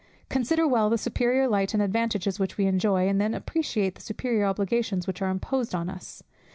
Consider well the superior light and advantages which we enjoy, and then appreciate the superior obligations which are imposed on us.